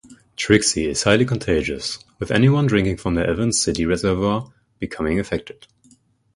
"Trixie" is highly contagious, with anyone drinking from the Evans City reservoir becoming affected.